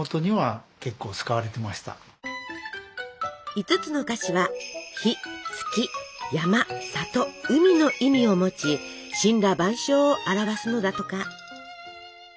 ５つの菓子はの意味を持ち森羅万象を表すのだとか。